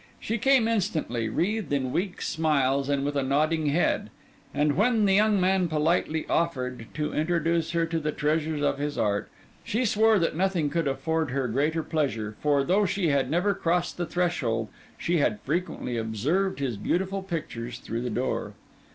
She came instantly, wreathed in weak smiles and with a nodding head; and when the young man politely offered to introduce her to the treasures of his art, she swore that nothing could afford her greater pleasure, for, though she had never crossed the threshold, she had frequently observed his beautiful pictures through the door.